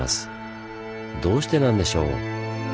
どうしてなんでしょう？